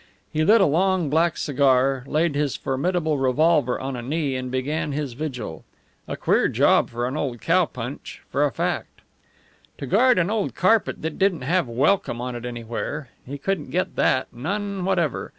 He lit a long black cigar, laid his formidable revolver on a knee, and began his vigil. A queer job for an old cow punch, for a fact. To guard an old carpet that didn't have "welcome" on it anywhere he couldn't get that, none whatever.